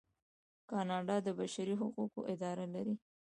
کاناډا د بشري حقونو اداره لري.